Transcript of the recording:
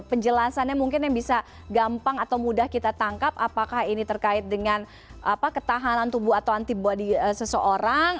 penjelasannya mungkin yang bisa gampang atau mudah kita tangkap apakah ini terkait dengan ketahanan tubuh atau antibody seseorang